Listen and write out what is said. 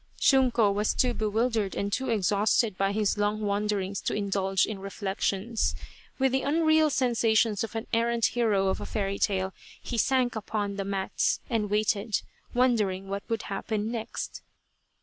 Shunko was too bewildered and too exhausted by his long wanderings to indulge in reflections. With the unreal sensations of an errant hero of a fairy tale, he sank upon the mats and waited, wondering what would happen next.